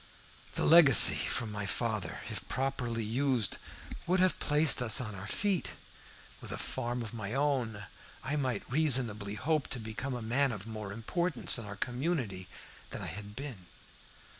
"The legacy from my father, if properly used, would have placed us on our feet. With a farm of my own, I might reasonably hope to become a man of more importance in our community than I had been.